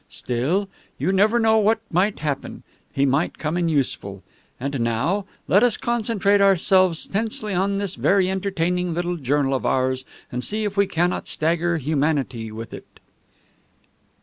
Still, you never know what might happen. He might come in useful. And now, let us concentrate ourselves tensely on this very entertaining little journal of ours, and see if we cannot stagger humanity with it."